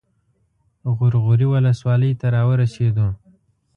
غور غوري ولسوالۍ ته راورسېدو.